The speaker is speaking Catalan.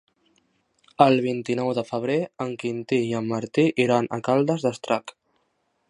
El vint-i-nou de febrer en Quintí i en Martí iran a Caldes d'Estrac.